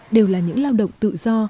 đều là những lao động tự do